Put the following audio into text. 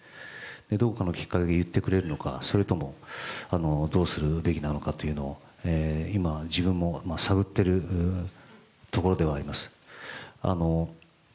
どこかのきっかけで言ってくれるのかそれともどうするべきなのかというのは今、自分も探っているところではあります。